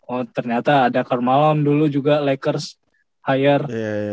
oh ternyata ada carmelon dulu juga lakers hire